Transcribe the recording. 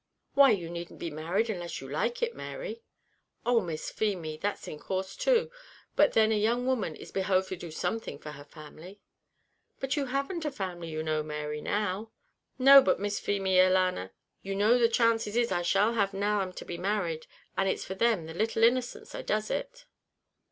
"Why, you needn't be married unless you like it, Mary." "Oh! Miss Feemy, that's in course too; but then a young woman is behove to do something for her family." "But you haven't a family, you know, Mary, now." "No, but Miss Feemy alanna, you know the chances is I shall have now I'm to be married; and it's for them, the little innocents, I does it."